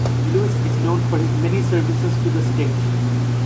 Louis is known for his many services to the State.